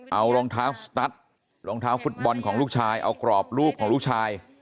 เอารองเท้าสตัสรองเท้าฟุตบอลของลูกชายเอากรอบรูปของลูกชาย